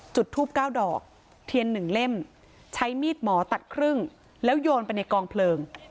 จุดทูบ๙ดอกเทียน๑เล่มใช้มีดหมอตัดครึ่งแล้วโยนไปในกองเพลิง